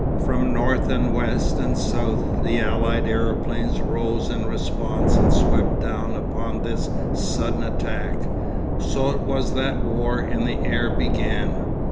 From north and west and south, the allied aeroplanes rose in response and swept down upon this sudden attack. So it was that war in the air began.